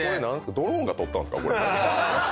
ドローンが撮ったんすか？